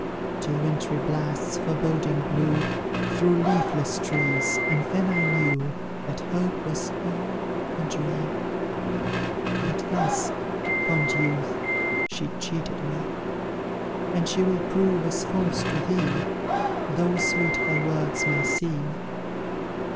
"Till wintry blasts foreboding blew Through leafless trees and then I knew That Hope was all a dream. But thus, fond youth, she cheated me; And she will prove as false to thee, Though sweet her words may seem.